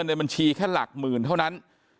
ในบัญชีแค่หลักหมื่นเท่านั้น